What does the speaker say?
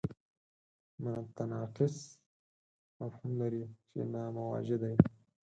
متناقض مفهوم لري چې ناموجه دی.